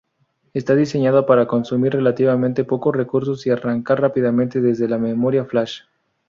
Está diseñado para consumir relativamente pocos recursos y arrancar rápidamente desde la memoria Flash.